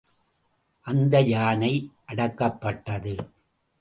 அந்த யானை அடக்கப்பட்டது.